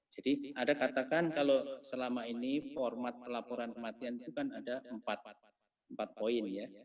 jadi ada katakan kalau selama ini format pelaporan kematian itu kan ada empat poin ya